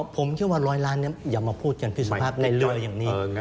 ผมเชื่อว่าร้อยล้านอย่ามาพูดกันพี่สุภาพในเรืออย่างนี้